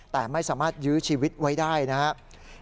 แต่ไม่สามารถยื้อชีวิตไว้ได้นะครับ